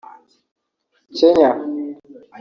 Kenya